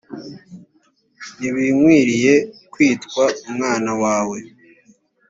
ntibinkwiriye kwitwa umwana wawe